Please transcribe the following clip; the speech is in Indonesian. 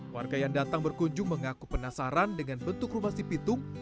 warga yang datang berkunjung mengaku penasaran dengan bentuk rumah si pitung